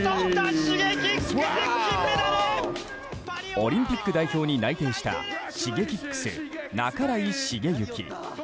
オリンピック代表に内定したＳｈｉｇｅｋｉｘ、半井重幸。